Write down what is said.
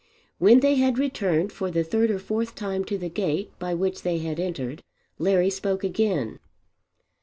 When they had returned for the third or fourth time to the gate by which they had entered Larry spoke again.